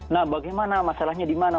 nah bagaimana masalahnya di mana